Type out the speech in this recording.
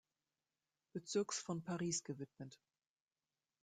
Bezirks von Paris gewidmet.